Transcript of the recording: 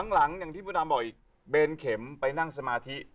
หลังก็อย่างที่พอแบนเข็มไปนั่งสมาธิ